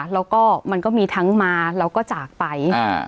แล้วก็มันก็มีทั้งมาแล้วก็จากไป